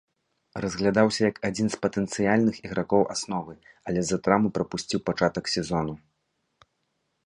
Разглядаўся як адзін з патэнцыяльных ігракоў асновы, але з-за траўмы прапусціў пачатак сезону.